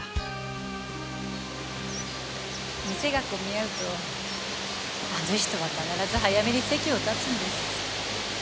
店が混み合うとあの人は必ず早めに席を立つんです。